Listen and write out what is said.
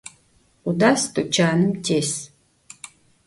Khudas tuçanım tês.